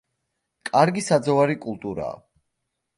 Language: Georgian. კარგი საძოვარი კულტურაა.